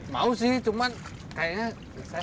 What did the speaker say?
mau sih cuman kayaknya saya